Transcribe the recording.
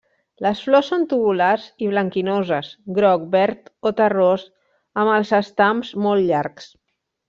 Les flors són tubulars i blanquinoses, groc, verd, o terrós, amb els estams molt llargs.